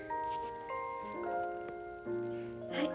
はい。